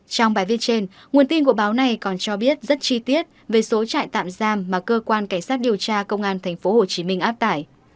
trong bài viết trên nguồn tin của báo này còn cho biết rất chi tiết về số trại tạm giam mà cơ quan cảnh sát điều tra công an tp hcm áp tải